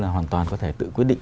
hoàn toàn có thể tự quyết định